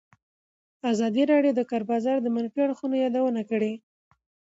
ازادي راډیو د د کار بازار د منفي اړخونو یادونه کړې.